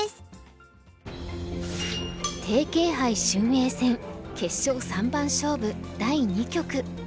テイケイ杯俊英戦決勝三番勝負第２局。